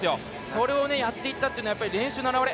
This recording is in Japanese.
それをやっていったっていうのは練習の表れ。